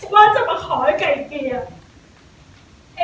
ว่าจะมาขอให้ไก่เกียรติ